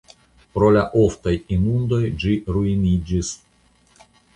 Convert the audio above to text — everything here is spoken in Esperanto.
Pro la oftaj inundoj ĝi ruiniĝis.